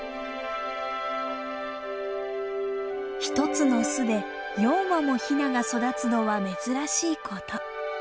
１つの巣で４羽もヒナが育つのは珍しいこと。